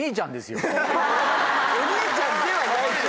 お兄ちゃんではない。